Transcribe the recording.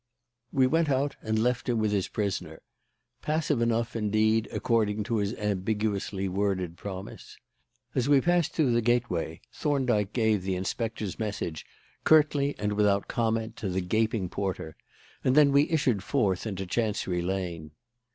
We went out and left him with his prisoner passive enough, indeed, according to his ambiguously worded promise. As we passed through the gateway Thorndyke gave the inspector's message, curtly and without comment, to the gaping porter, and then we issued forth into Chancery Lane.